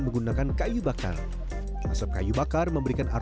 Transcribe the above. beras ketan putih sedang dituai habis exercisinya